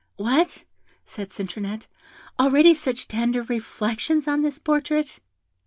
'What,' said Citronette, 'already such tender reflections on this portrait?